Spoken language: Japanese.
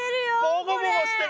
ボコボコしてる！